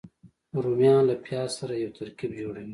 رومیان له پیاز سره یو ترکیب جوړوي